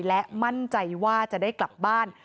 และมั่นใจว่าจะได้กลับบ้าน